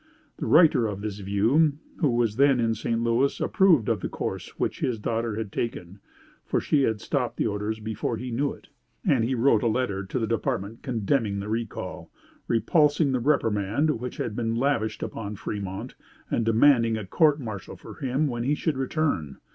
The writer of this View, who was then in St. Louis, approved of the course which his daughter had taken (for she had stopped the orders before he knew it); and he wrote a letter to the department condemning the recall, repulsing the reprimand which had been lavished upon Fremont, and demanding a court martial for him when he should return.